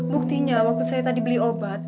buktinya waktu saya tadi beli obat